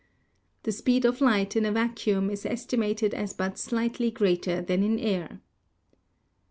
The speed of light in a vacuum is estimated as but slightly greater than in air.